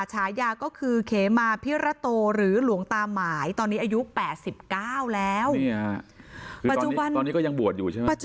ฉายาก็คือเขมาพิระโตหรือหลวงตาหมายตอนนี้อายุ๘๙แล้วปัจจุบันตอนนี้ก็ยังบวชอยู่ใช่ไหม